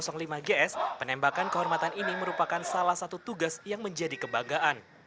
bagi batalion artileri medan tujuh ribu satu ratus lima gs penembakan kehormatan ini merupakan salah satu tugas yang menjadi kebanggaan